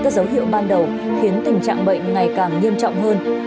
các dấu hiệu ban đầu khiến tình trạng bệnh ngày càng nghiêm trọng hơn